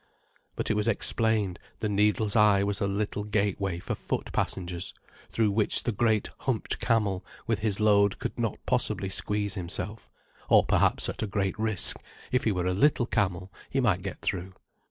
But it was explained, the needle's eye was a little gateway for foot passengers, through which the great, humped camel with his load could not possibly squeeze himself: or perhaps at a great risk, if he were a little camel, he might get through.